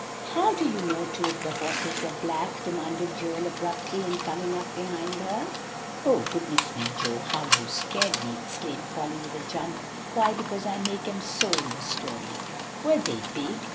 "How do you know two of the horses were black?" demanded Joel abruptly, and coming up behind her. "Oh! goodness me, Joe, how you scared me!" exclaimed Polly with a jump. "Why, because I make 'em so in the story." "Were they big?